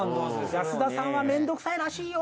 安田さんは面倒くさいらしいよ